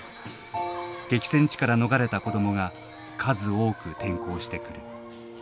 激戦地から逃れた子どもが数多く転校してくる。